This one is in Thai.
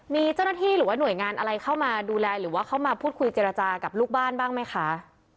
มีเจ้าหน้าที่หรือว่าหน่วยงานอะไรเข้ามาดูแลหรือว่าเข้ามาพูดคุยเจรจากับลูกบ้านบ้างไหมคะ